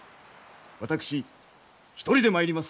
私一人で参ります。